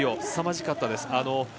すさまじかったです。